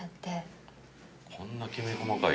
こんなきめ細かい。